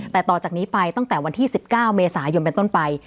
แต่ต่อจากนี้ไปตั้งแต่วันที่๑๙เมษายนเป็นต้นไป